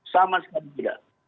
sama sekali tidak